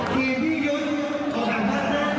เพลง